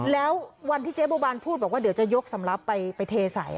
แล้ววันที่เจ๊บัวบานพูดบอกว่าเดี๋ยวจะยกสำหรับไปเทใส่